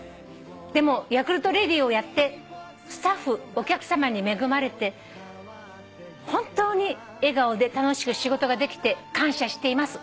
「でもヤクルトレディをやってスタッフお客さまに恵まれて本当に笑顔で楽しく仕事ができて感謝しています」